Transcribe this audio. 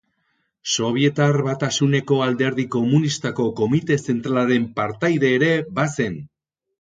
Sobietar Batasuneko Alderdi Komunistako Komite Zentralaren partaide ere bazen.